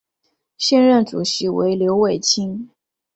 现任主席为刘伟清。